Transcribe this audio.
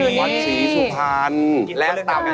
อยู่นี่วัดศรีสุภารและต่างกันที่นี่นะครับแบบนั้น